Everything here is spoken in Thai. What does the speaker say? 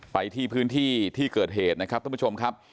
ไปที่พื้นที่ที่เกิดเหตุนะครับท่านผู้ชมครับ